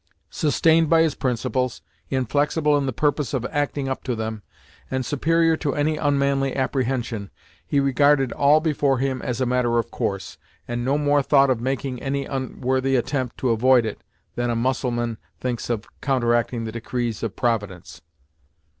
Sustained by his principles, inflexible in the purpose of acting up to them, and superior to any unmanly apprehension, he regarded all before him as a matter of course, and no more thought of making any unworthy attempt to avoid it, than a Mussulman thinks of counteracting the decrees of Providence.